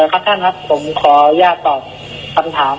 ครับท่านครับผมขออนุญาตตอบคำถาม